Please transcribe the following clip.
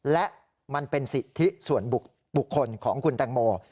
และมันเป็นสิทธิส่วนบุคคลของคุณแตงโม